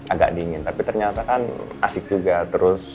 agak dingin tapi ternyata kan asik juga terus